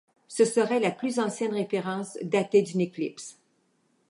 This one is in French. Ce serait la plus ancienne référence datée d'une éclipse.